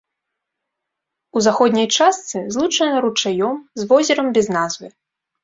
У заходняй частцы злучана ручаём з возерам без назвы.